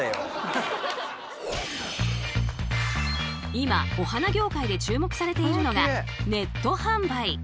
今お花業界で注目されているのがネット販売。